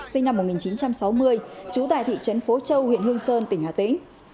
sinh năm một nghìn chín trăm sáu mươi trú tại thị trấn phố châu huyện hương sơn tỉnh hà tĩnh